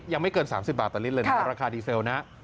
ยังไม่เกิน๓๐บาทต่อลิตรเลยนะราคาดีเซลนะ